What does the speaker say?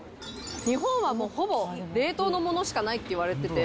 日本はもうほぼ冷凍のものしかないっていわれてて。